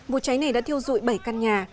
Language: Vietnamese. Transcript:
vụ trái này đã thiêu dụi bảy căn nhà